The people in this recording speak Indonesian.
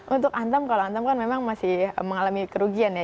untuk antam kalau antam kan memang masih mengalami kerugian ya